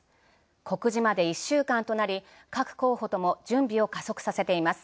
告示まで１週間となり、各候補とも準備を加速させています。